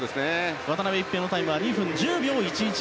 渡辺一平のタイムは２分１０秒１１。